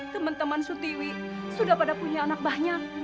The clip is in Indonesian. teman teman sutiwi sudah pada punya anak banyak